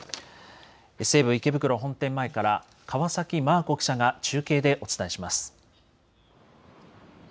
西武池袋本店前から河崎眞子記者が中継でお伝えします。